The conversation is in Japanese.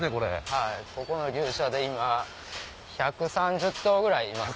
はいここの牛舎で今１３０頭ぐらいいますね。